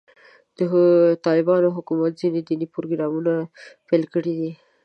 د طالبانو حکومت ځینې دیني پروګرامونه پیل کړي دي.